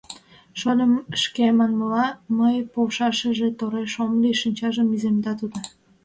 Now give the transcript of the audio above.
— Шольым, шке манмыла, мый полшашыже тореш ом лий, — шинчажым иземда тудо.